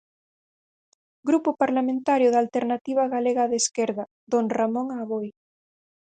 Grupo Parlamentario da Alternativa Galega de Esquerda, don Ramón Aboi.